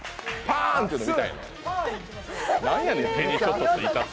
パーンっての見たいねん。